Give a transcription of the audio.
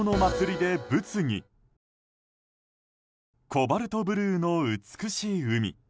コバルトブルーの美しい海。